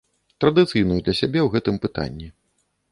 Традыцыйную для сябе ў гэтым пытанні.